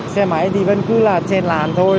xe máy thì vẫn cứ là trên làn thôi